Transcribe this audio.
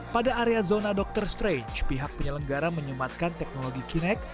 pada area zona dr strange pihak penyelenggara menyematkan teknologi kinect